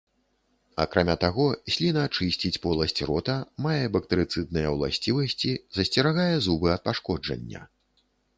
Акрамя таго, сліна чысціць поласць рота, мае бактэрыцыдныя ўласцівасці, засцерагае зубы ад пашкоджання.